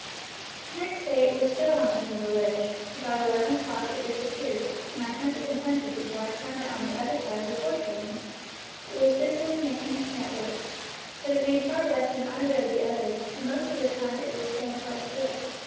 The next day it was still on the window ledge. About eleven o'clock it disappeared, and I hunted and hunted before I found it on the under side of the porch railing! It was busily making its network, but it made far less than either of the others, and most of the time it was staying quite still.